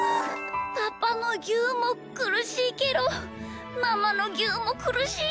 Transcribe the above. パパのぎゅうもくるしいけどママのぎゅうもくるしい。